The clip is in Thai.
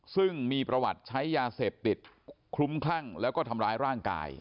ซึ่งมีประวัติใช้ยาเสพติดคลุ้มคลั่งแล้วก็ทำร้ายร่างกาย